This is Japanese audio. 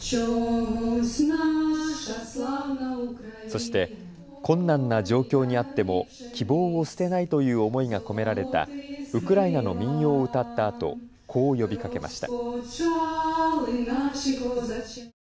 そして、困難な状況にあっても希望を捨てないという思いが込められたウクライナの民謡を歌ったあとこう呼びかけました。